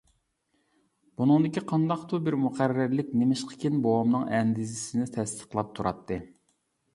بۇنىڭدىكى قانداقتۇر بىر مۇقەررەرلىك نېمىشقىكىن بوۋامنىڭ ئەندىزىسىنى تەستىقلاپ تۇراتتى.